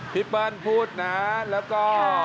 เปิ้ลพูดนะแล้วก็